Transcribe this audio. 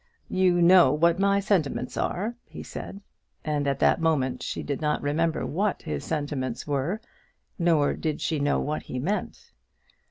"You know what my sentiments are," he said. At that moment she did not remember what his sentiments were, nor did she know what he meant.